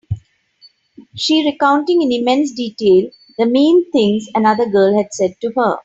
She recounting in immense detail the mean things another girl had said to her.